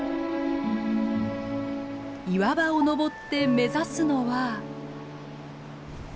岩場を登って目指すのは。